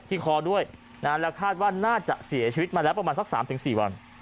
ที่คอด้วยนะฮะแล้วคาดว่าน่าจะเสียชีวิตมาแล้วประมาณสักสามถึงสี่วัน